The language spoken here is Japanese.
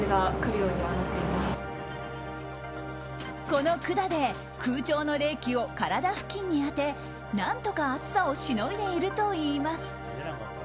この管で空調の冷気を体付近に当て何とか暑さをしのいでいるといいます。